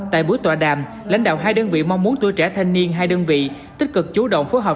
tại buổi tòa đàm lãnh đạo hai đơn vị mong muốn tuổi trẻ thanh niên hai đơn vị tích cực chủ động phối hợp